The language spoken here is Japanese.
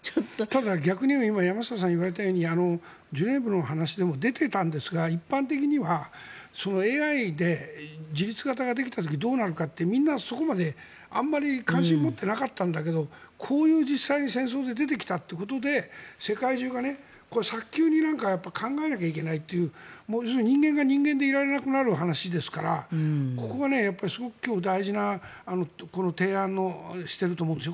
逆に言えば今、山下さんが言われたようにジュネーブの話でも出ていたんですが、一般的にはＡＩで自律型ができた時どうなるかっていうみんなそこまであんまり関心を持っていなかったんだけどこういう実際に戦争で出てきたということで世界中が早急に考えなきゃいけないという人間が人間でいられなくなる話ですからここがすごく今日大事な提案をしていると思います